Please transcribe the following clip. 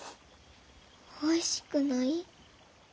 おいしくない？